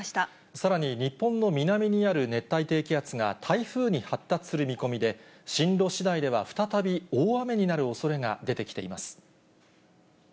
さらに日本の南にある熱帯低気圧が台風に発達する見込みで、進路しだいでは再び大雨になるおそれが出てきています。